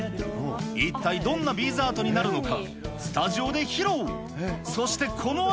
一体どんなビーズアートになるのか。